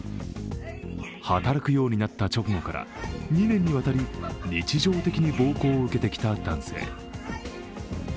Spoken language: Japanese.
働くようになった直後から２年にわたり日常的に暴行を受けてきた男性。